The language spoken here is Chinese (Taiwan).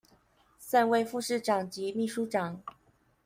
三位副市長及秘書長